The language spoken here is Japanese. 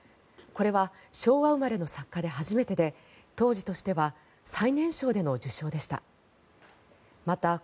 これは昭和生まれの作家で初めてで当時としては最年少での受賞でした。